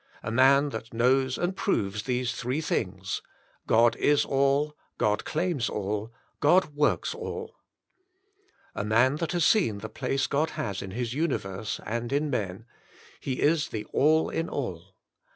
A man that knows and proves these three things; God is all ; God claims all ; God works all. A man that has seen the place God has in His universe and in men — He is the All in All!